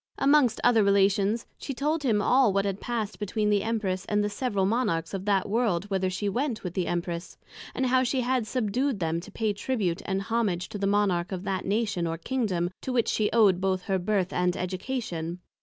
Amongst other Relations, she told him all what had past between the Empress, and the several Monarchs of that World whither she went with the Empress; and how she had subdued them to pay Tribute and Homage to the Monarch of that Nation or Kingdom to which she owed both her Birth and Education.